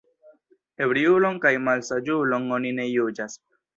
Ebriulon kaj malsaĝulon oni ne juĝas.